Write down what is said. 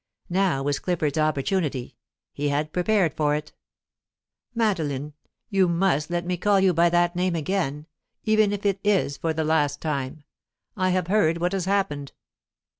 Now was Clifford's opportunity; he had prepared for it. "Madeline you must let me call you by that name again, even if it is for the last time I have heard what has happened."